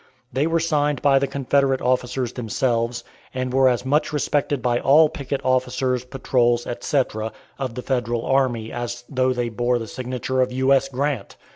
They were signed by the Confederate officers themselves, and were as much respected by all picket officers, patrols, etc., of the Federal army as though they bore the signature of U. S. Grant.